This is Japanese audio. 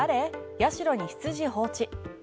社に羊放置。